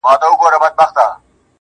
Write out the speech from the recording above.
د رڼاگانو شيسمحل کي به دي ياده لرم.